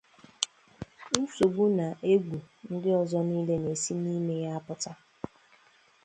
nsogbu na ihe égwù ndị ọzọ niile na-esi ime ya apụta